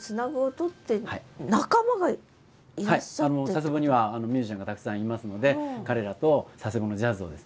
佐世保にはミュージシャンがたくさんいますので彼らと佐世保のジャズをですね